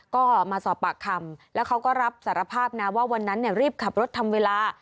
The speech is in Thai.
ก็มาสอบปากคำแล้วเขาก็รับสารภาพนะว่าวันนั้นรีบขับรถทำเวลา